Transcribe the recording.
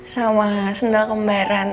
sama sendal kembaran